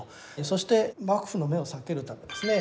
そして幕府の目を避けるためですね。